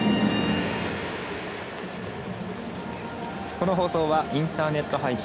この放送はインターネット配信